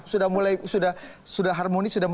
sudah mulai sudah sudah harmoni sudah